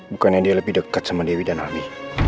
bukannya dia lebih dekat sama dewi dan albi